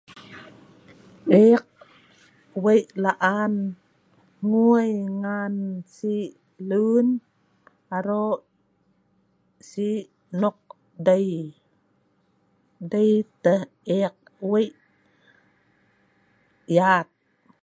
Eek wei laan nguui ngan si’ luen aroq si’ nok dei, dei tah eek wei yat